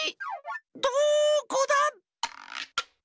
どこだ？